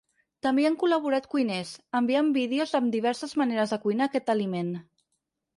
També hi han col·laborat cuiners, enviant vídeos amb diverses maneres de cuinar aquest aliment.